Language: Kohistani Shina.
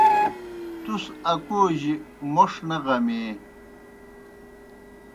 تُس اکوجیْ موْݜ نہ غمیئے۔